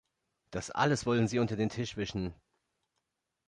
Das alles wollen Sie unter den Tisch wischen!